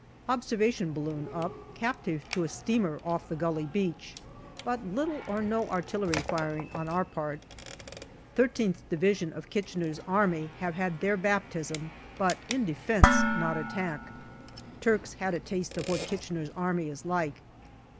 Observation balloon up, captive to a steamer off the Gully Beach, but little or no artillery firing on our part. I3th Division of Kitchener's Army have had their baptism, but in defence, not attack ; Turks had a taste of what Kitchener's Army is like.